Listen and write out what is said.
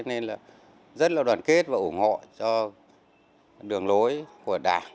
nên là rất là đoàn kết và ủng hộ cho đường lối của đảng